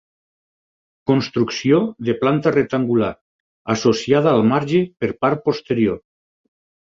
Construcció de planta rectangular, associada al marge per part posterior.